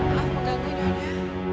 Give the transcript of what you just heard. maaf mengganggu ida